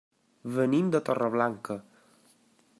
Venim de Torreblanca.